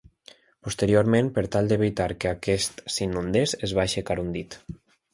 Posteriorment, per tal d'evitar que aquest s'inundés es va aixecar un dic.